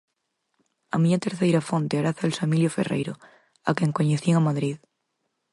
A miña terceira fonte era Celso Emilio Ferreiro, a quen coñecín a Madrid.